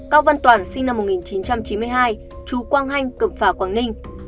cao văn toàn sinh năm một nghìn chín trăm chín mươi hai chú quang hanh cập phả quảng ninh